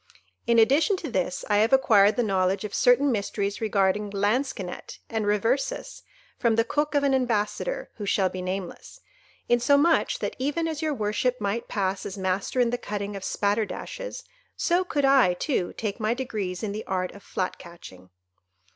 "In addition to this, I have acquired the knowledge of certain mysteries regarding Lansquenet and Reversis, from the cook of an ambassador who shall be nameless,—insomuch that, even as your worship might pass as master in the cutting of spatterdashes, so could I, too, take my degrees in the art of flat catching.